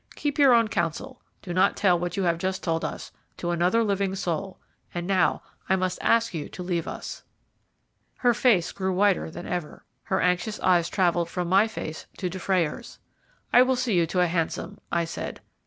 Keep your own counsel; do not tell what you have just told us to another living soul; and now I must ask you to leave us." Her face grew whiter than ever; her anxious eyes travelled from my face to Dufrayer's. "I will see you to a hansom," I said.